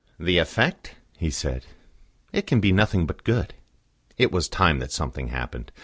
"The effect?" he said. "It can be nothing but good. It was time that something happened.